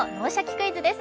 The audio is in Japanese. クイズ」です。